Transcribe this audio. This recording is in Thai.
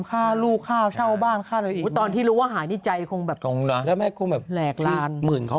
ฆ่าลูกช่าวบ้านตอนที่รู้ว่าหายมีใจคงหลักลาน